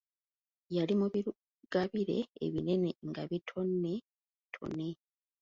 Yali mu birugabire ebinene nga bitoneetone.